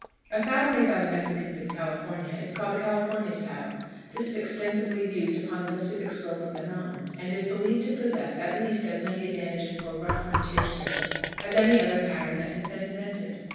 A saddle made by the Mexicans in California is called the California saddle. This is extensively used upon the Pacific slope of the mountains, and is believed to possess, at least, as many advantages for rough frontier service as any other pattern that has been invented.